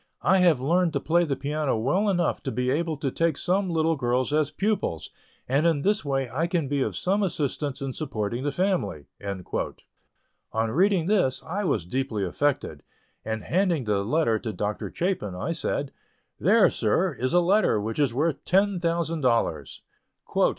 I have learned to play the piano well enough to be able to take some little girls as pupils, and in this way I can be of some assistance in supporting the family." On reading this I was deeply affected; and, handing the letter to Dr. Chapin, I said: "There, sir, is a letter which is worth ten thousand dollars."